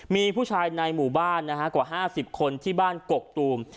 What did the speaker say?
มีผู้ชายในหมู่บ้านกว่า๕๐คนที่บ้านกกตูม